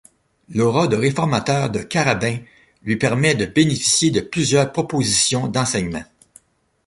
L'aura de réformateur de Carabin lui permet de bénéficier de plusieurs propositions d'enseignement.